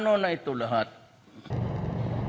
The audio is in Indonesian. ini sudah dilancarkan